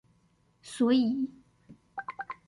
所以